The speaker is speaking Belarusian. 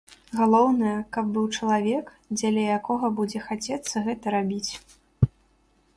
Галоўнае, каб быў чалавек, дзеля якога будзе хацецца гэта рабіць.